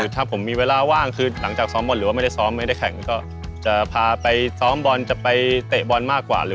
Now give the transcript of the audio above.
ถ้าผมมีเวลาว่างหรือไม่ได้แข่งหรือหลังจากคุณจะพาไปซ้อมบนจะไปเตะบนมากกว่า